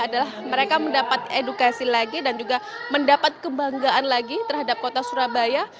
adalah mereka mendapat edukasi lagi dan juga mendapat kebanggaan lagi terhadap kota surabaya